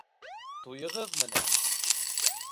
Туйығыҙ менән!